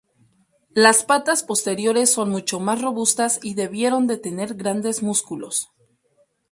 Las patas posteriores son mucho más robustas y debieron de tener grandes músculos.